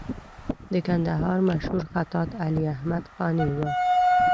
د کندهار مشهور خطاط علي احمد قانع و.